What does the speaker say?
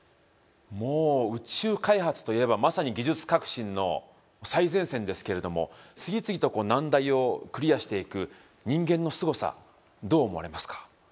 もう宇宙開発といえばまさに技術革新の最前線ですけれども次々と難題をクリアしていく人間のすごさどう思われますか。